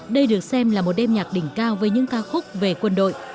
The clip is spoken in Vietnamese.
đây được xem là một đêm nhạc đỉnh cao với những ca khúc về quân đội